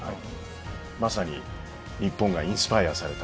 まさに日本がインスパイアされた。